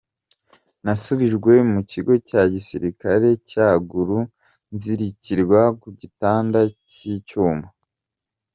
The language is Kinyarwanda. Nasubijwe mu Kigo cya Gisirikare cya Gulu, nzirikirwa ku gitanda cy’icyuma.